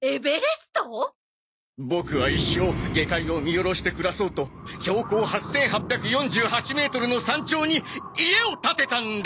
ボクは一生下界を見下ろして暮らそうと標高８８４８メートルの山頂に家を建てたんだ！